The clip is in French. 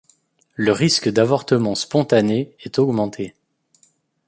Le risque d'avortement spontané est augmenté.